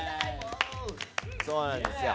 そうなんですよ。